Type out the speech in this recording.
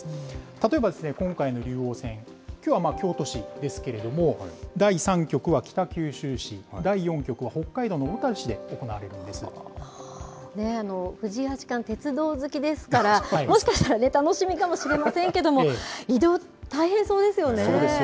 例えばですね、今回の竜王戦、きょうは京都市ですけれども、第３局は北九州市、第４局は北海道藤井八冠、鉄道好きですから、もしかしたら、楽しみかもしれませんけれども、移動、そうですよね。